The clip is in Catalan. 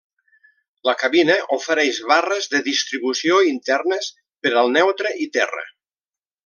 La cabina ofereix barres de distribució internes per al neutre i terra.